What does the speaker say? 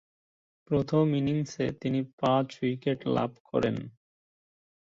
প্রথম ইনিংসে তিনি পাঁচ-উইকেট লাভ করেন।